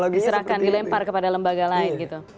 diserahkan dilempar kepada lembaga lain gitu